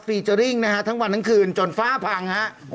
เจอร์ริ่งนะฮะทั้งวันทั้งคืนจนฟ้าพังฮะ